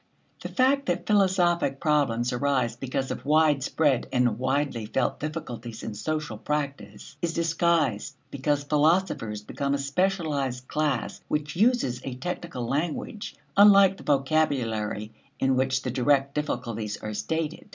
The fact that philosophic problems arise because of widespread and widely felt difficulties in social practice is disguised because philosophers become a specialized class which uses a technical language, unlike the vocabulary in which the direct difficulties are stated.